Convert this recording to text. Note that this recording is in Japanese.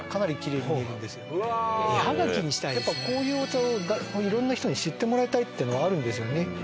やっぱこういうお茶を色んな人に知ってもらいたいっていうのがあるんですよね。